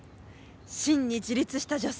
真に自立した女性。